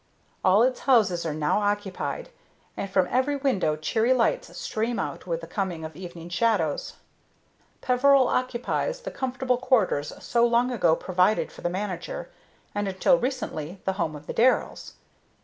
All its houses are now occupied, and from every window cheery lights stream out with the coming of evening shadows. Peveril occupies the comfortable quarters so long ago provided for the manager, and until recently the home of the Darrells.